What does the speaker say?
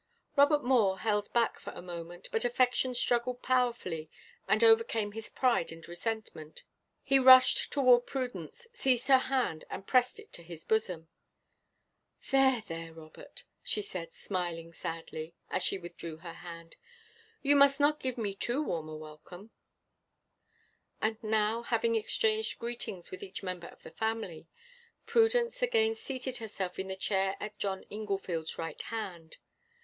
Robert Moore held back for a moment, but affection struggled powerfully and overcame his pride and resentment; he rushed toward Prudence, seized her hand, and pressed it to his bosom. "There, there, Robert," said she, smiling sadly, as she withdrew her hand, "you must not give me too warm a welcome." And now, having exchanged greetings with each member of the family, Prudence again seated herself in the chair at John Inglefield's right hand.